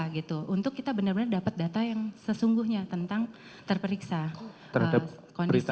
gitu untuk kita benar benar dapat data yang sesungguhnya tentang terperiksa kondisi